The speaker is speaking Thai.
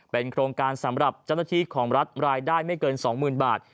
เป็นโครงการสำหรับเจ้าหน้าที่ของรัฐรายได้ไม่เกิน๒๐๐๐บาท